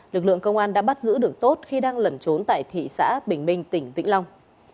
lực lượng công an đã bắt giữ được tốt khi đang lẩn trốn tại thị xã bình minh tỉnh vĩnh long